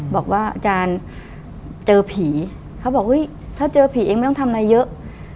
บอกว่าอาจารย์เจอผีเขาบอกเฮ้ยถ้าเจอผีเองไม่ต้องทำอะไรเยอะ